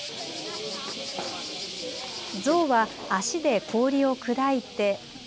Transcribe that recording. ゾウは足で氷を砕いて。